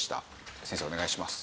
先生お願いします。